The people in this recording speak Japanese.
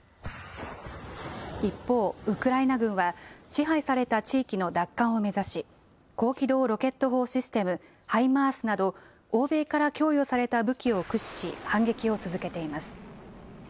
一方、ウクライナ軍は、支配された地域の奪還を目指し、高機動ロケット砲システム・ハイマースなど、欧米から供与された武器を駆使し、反撃を続けています。